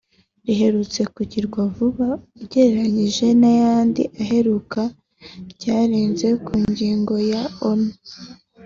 riherutse kugirwa vuba ugereranije n'ayandi aheruka ryarenze ku ngingo ya Onu